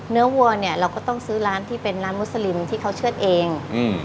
วัวเนี่ยเราก็ต้องซื้อร้านที่เป็นร้านมุสลิมที่เขาเชื่อดเองอืม